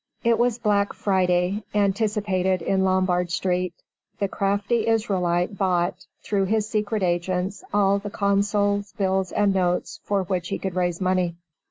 It was 'Black Friday' anticipated in Lombard Street. The crafty Israelite bought, through his secret agents, all the consols, bills, and notes, for which he could raise money.